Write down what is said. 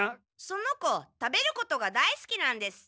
その子食べることが大すきなんです。